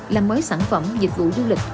làm mới sản phẩm dịch vụ du lịch